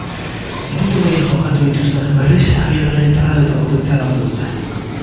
Minutu gehien jokatu dituztenek berriz, abiadura, indarra edota potentzia landu dute.